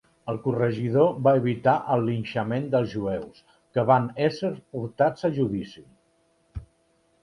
El corregidor va evitar el linxament dels jueus, que van ésser portats a judici.